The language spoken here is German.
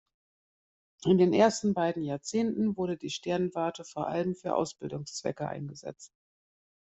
In den ersten beiden Jahrzehnten wurde die Sternwarte vor allem für Ausbildungszwecke eingesetzt.